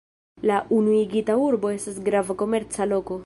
La unuigita urbo estas grava komerca loko.